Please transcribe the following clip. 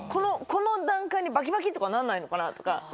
この段階にバキバキ！とかなんないのかなとか。